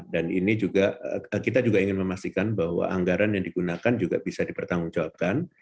dan ini juga kita juga ingin memastikan bahwa anggaran yang digunakan juga bisa dipertanggungjawabkan